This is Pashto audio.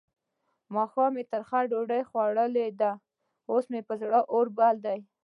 ماښام مې ترخه ډوډۍ خوړلې ده؛ اوس مې پر زړه اور بل دی.